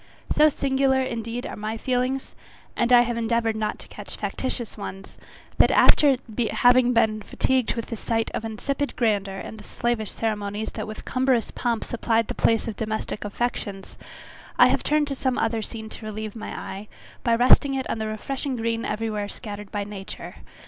So singular, indeed, are my feelings, and I have endeavoured not to catch factitious ones, that after having been fatigued with the sight of insipid grandeur and the slavish ceremonies that with cumberous pomp supplied the place of domestic affections, I have turned to some other scene to relieve my eye, by resting it on the refreshing green every where scattered by nature.